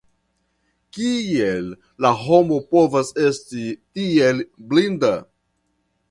Kiel la homo povas esti tiel blinda?